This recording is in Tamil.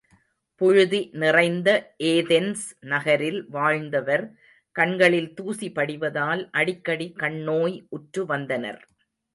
புழுதி நிறைந்த ஏதென்ஸ் நகரில் வாழ்ந்தவர் கண்களில் தூசி படிவதால் அடிக்கடி கண்ணோய் உற்று வந்தனர்.